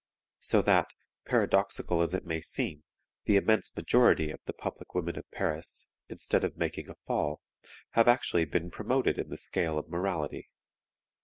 So that, paradoxical as it may seem, the immense majority of the public women of Paris, instead of making a fall, have actually been promoted in the scale of morality.